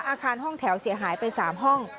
อาคารห้องแถวเสียหายไป๓ห้อง